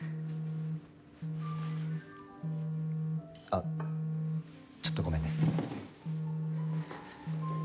あっちょっとごめんね。